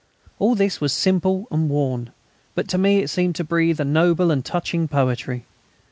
All this was simple and worn; but to me it seemed to breathe a noble and touching poetry.